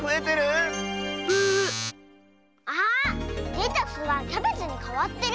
レタスがキャベツにかわってる？